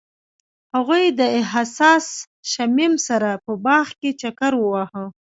هغوی د حساس شمیم سره په باغ کې چکر وواهه.